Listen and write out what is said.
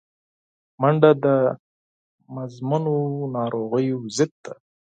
منډه د مزمنو ناروغیو ضد ده